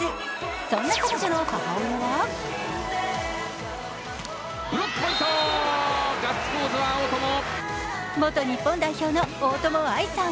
そんな彼女の母親は元日本代表の大友愛さん。